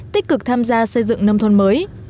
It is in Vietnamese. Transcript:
tích cực tham gia xây dựng nông thôn mới